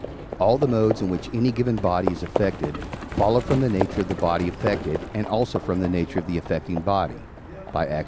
All the modes, in which any given body is affected, follow from the nature of the body affected, and also from the nature of the affecting body (by Ax.